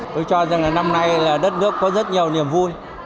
tôi cho rằng là năm nay là đất nước có rất nhiều niềm vui